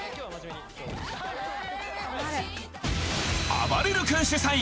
あばれる君主催